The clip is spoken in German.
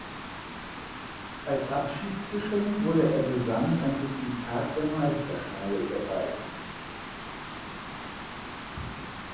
Als Abschiedsgeschenk wurde Ebbe Sand ein Replikat der Meisterschale überreicht.